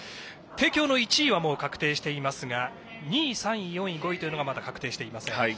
帝京の１位は確定していますが２位、３位、４位５位というのはまだ確定していません。